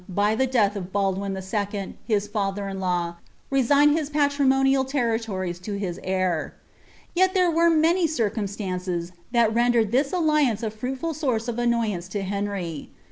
by the death of Baldwin IL Ilia fallier iii>law, resigned his palriraoiiial territories to his heir. Yet there were nany cireuinslunees that rendered this alliance a fruitful source of an ii'Tance to Henry.